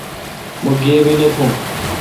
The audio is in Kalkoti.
مہ گیبی نہ تھون۔